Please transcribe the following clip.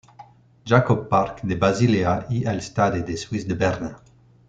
Jakob-Park de Basilea y el Stade de Suisse de Berna.